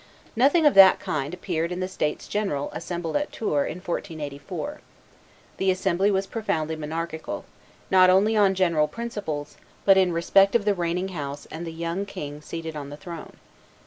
Nothing of that kind appeared in the states general assembled at Tours in 1484; the assembly was profoundly monarchical, not only on general principles, but in respect of the reigning house and the young king seated on the throne.